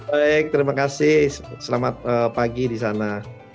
baik terima kasih selamat pagi di sana